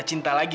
aku mau pergi